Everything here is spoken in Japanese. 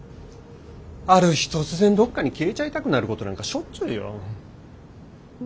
ある日突然どっかに消えちゃいたくなることなんかしょっちゅうよ。